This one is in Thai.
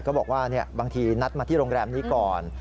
บอกว่าบางทีนัดมาที่โรงแรมนี้ก่อน